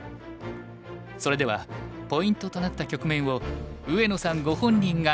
それではポイントとなった局面を上野さんご本人が解説します。